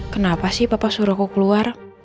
kenapa sih papa suruh aku keluar